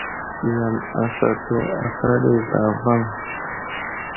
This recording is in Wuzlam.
Yam asatu asla ɗi zlavaŋ.